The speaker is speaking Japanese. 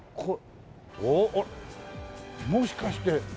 おっもしかして。